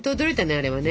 あれはね。